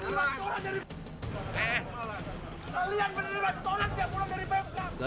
kalian berdua orang dari